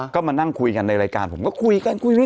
ก็มานั่งคุยกันในรายการผมก็คุยกันคุย